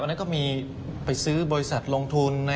นั้นก็มีไปซื้อบริษัทลงทุน